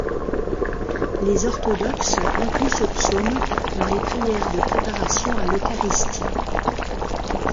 Les Orthodoxes incluent ce psaume dans les prières de préparation à l'Eucharistie.